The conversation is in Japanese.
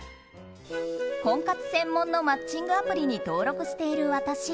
婚活専門のマッチングアプリに登録している私。